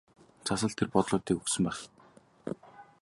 Цас л тэр бодлуудыг өгсөн байх.